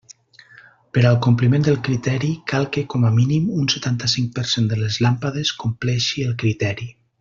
Per al compliment del criteri cal que com a mínim un setanta-cinc per cent de les làmpades compleixi el criteri.